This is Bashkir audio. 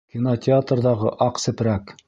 Кинотеатрҙағы аҡ сепрәк.